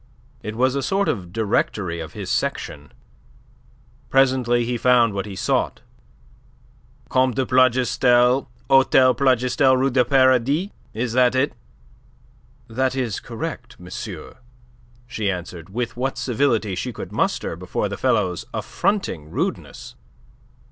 It was a sort of directory of his section. Presently he found what he sought. "Comte de Plougastel, Hotel Plougastel, Rue du Paradis. Is that it?" "That is correct, monsieur," she answered, with what civility she could muster before the fellow's affronting rudeness.